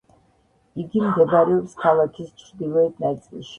იგი მდებარეობს ქალაქის ჩრდილოეთ ნაწილში.